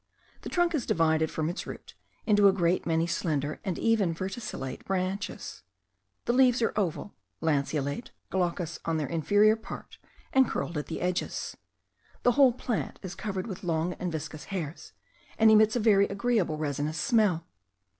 The trunk is divided from its root into a great many slender and even verticillate branches. The leaves are oval, lanceolate, glaucous on their inferior part, and curled at the edges. The whole plant is covered with long and viscous hairs, and emits a very agreeable resinous smell.